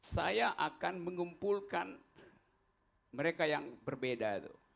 saya akan mengumpulkan mereka yang berbeda